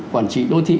quản trị đô thị